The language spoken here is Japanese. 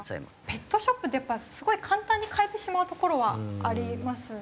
ペットショップってやっぱすごい簡単に買えてしまうところはありますね。